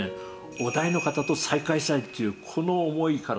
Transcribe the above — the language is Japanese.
於大の方と再会したいというこの思いからですね